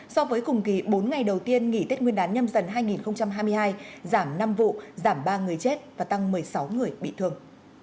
so với cùng kỳ bốn ngày đầu tiên nghỉ tết nguyên đán nhâm dần hai nghìn hai mươi hai giảm năm vụ giảm ba người chết và tăng một mươi sáu người bị thương